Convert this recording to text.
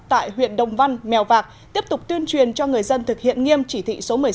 tại huyện đồng văn mèo vạc tiếp tục tuyên truyền cho người dân thực hiện nghiêm chỉ thị số một mươi sáu